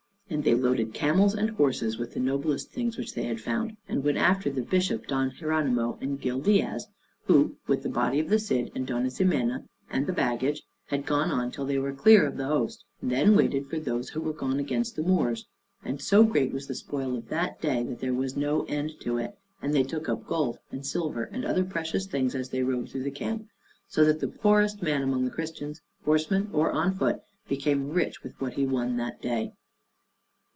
And they loaded camels and horses with the noblest things which they found, and went after the Bishop Don Hieronymo and Gil Diaz, who, with the body of the Cid, and Doña Ximena, and the baggage, had gone on till they were clear of the host, and then waited for those who were gone against the Moors. And so great was the spoil of that day, that there was no end to it: and they took up gold, and silver, and other precious things as they rode through the camp, so that the poorest man among the Christians, horseman or on foot, became rich with what he won that day.